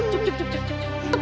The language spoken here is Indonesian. cukup cukup cukup